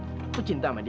dia juga cinta sama dia